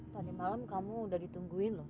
tadi malam kamu udah ditungguin loh